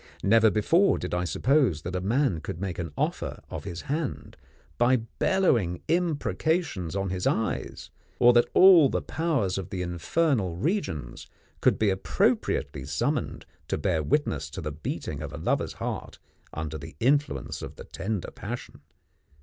Never before did I suppose that a man could make an offer of his hand by bellowing imprecations on his eyes, or that all the powers of the infernal regions could be appropriately summoned to bear witness to the beating of a lover's heart under the influence of the tender passion.